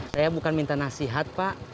saya bukan minta nasihat pak